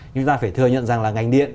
nhưng ta phải thừa nhận rằng là ngành điện